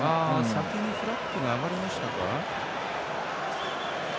先にフラッグが上がりましたか。